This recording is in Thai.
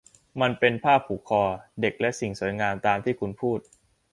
มันเป็นผ้าผูกคอ เด็กและสิ่งสวยงามตามที่คุณพูด